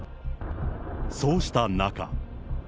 そうした中。